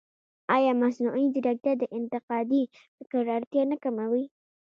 ایا مصنوعي ځیرکتیا د انتقادي فکر اړتیا نه کموي؟